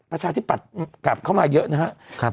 ประชาธิบัติกลับเข้ามาเยอะนะฮะ